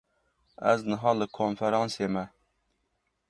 Ez niha li konferansê me.